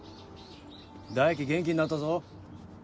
大樹元気になったぞ。